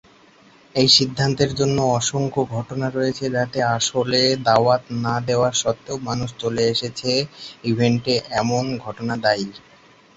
এই সিদ্ধান্তের জন্য অসংখ্য ঘটনা রয়েছে যাতে আসলে দাওয়াত না দেয়া সত্বেও মানুষ চলে এসেছে ইভেন্টে এমন ঘটনা দায়ী।